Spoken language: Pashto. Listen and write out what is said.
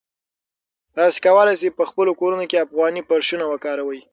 تاسي کولای شئ په خپلو کورونو کې افغاني فرشونه وکاروئ.